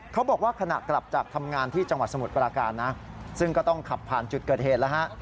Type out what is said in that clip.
เขาบอกว่าขณะกลับจากทำงานที่จังหวัดสมุทรปราการนะซึ่งก็ต้องขับผ่านจุดเกิดเหตุแล้วฮะ